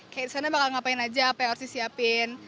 kayak disana bakal ngapain aja apa yang harus disiapin